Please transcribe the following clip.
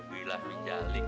nama si bullah minjalik